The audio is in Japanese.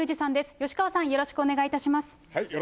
吉川さん、よろしくお願いいたします。